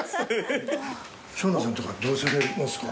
生野さんとかどうされますか？